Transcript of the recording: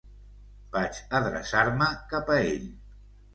Vaig adreçar-me cap a ell.